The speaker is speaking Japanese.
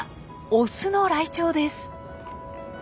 オスのライチョウです。